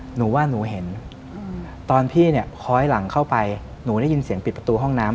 หนูว่าหนูเห็นตอนพี่เนี่ยค้อยหลังเข้าไปหนูได้ยินเสียงปิดประตูห้องน้ำ